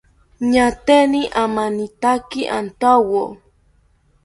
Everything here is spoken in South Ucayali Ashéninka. Ñaateni amanitaki antawo